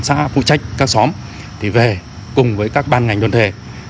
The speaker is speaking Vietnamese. sẽ cử cả bộ công an xã phụ trách các xóm về cùng với các ban ngành đơn thể